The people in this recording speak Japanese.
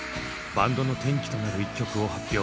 バンドの転機となる１曲を発表。